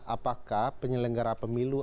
apakah penyelenggara pemilu